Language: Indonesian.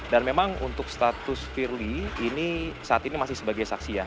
dan memang untuk status firly ini saat ini masih sebagai saksi ya